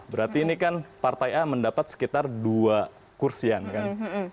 berarti ini kan partai a mendapat sekitar dua kursian kan